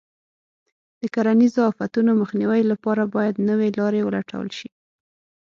د کرنیزو آفتونو مخنیوي لپاره باید نوې لارې ولټول شي.